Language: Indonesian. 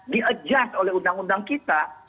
di adjust oleh undang undang kita